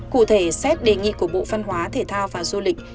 cụ thể xét đề nghị của bộ văn hóa thể thao và du lịch